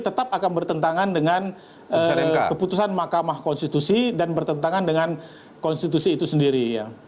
tetap akan bertentangan dengan keputusan mahkamah konstitusi dan bertentangan dengan konstitusi itu sendiri